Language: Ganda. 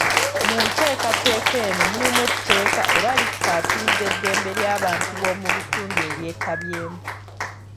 Mu ntekateka eno mulimu eteeka era likkaatiriza eddembe ly'abantu b'omu bitundu ebyetabyemu.